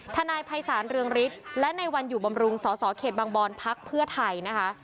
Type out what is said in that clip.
ทนายภัยศาลเรืองฤทธิ์และในวันอยู่บำรุงสสเขตบางบอนพักเพื่อไทยนะคะ